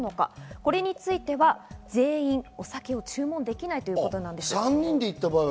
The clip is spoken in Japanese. これについては全員、お酒を注文できないということです。